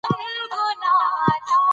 یادګار یې نمانځي